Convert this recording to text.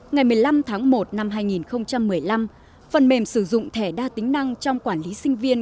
ngày một mươi năm tháng một năm hai nghìn một mươi năm phần mềm sử dụng thẻ đa tính năng trong quản lý sinh viên